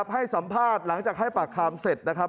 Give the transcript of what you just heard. ให้สัมภาษณ์หลังจากให้ปากคำเสร็จนะครับ